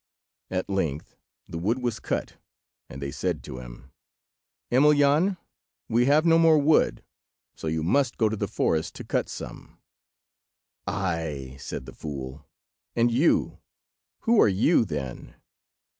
At length the wood was cut, and they said to him— "Emelyan, we have no more wood, so you must go to the forest to cut some." "Ay," said the fool, "and you! who are you, then?"